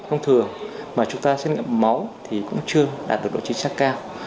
thông thường mà chúng ta xét nghiệm máu thì cũng chưa đạt được độ chính xác cao